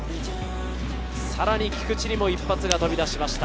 さらに菊池にも一発が飛び出しました。